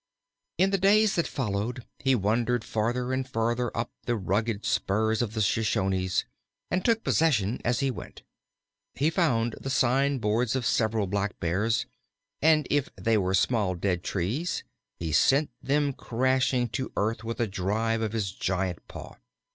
In the days that followed he wandered farther and farther up among the rugged spurs of the Shoshones, and took possession as he went. He found the sign boards of several Blackbears, and if they were small dead trees he sent them crashing to earth with a drive of his giant paw.